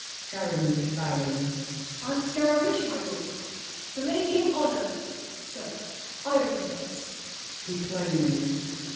SCARAMOUCHE (bowing). I'm Scaramouche, my lord! "The Lady of Honor," sir, I open thus. [Declaiming.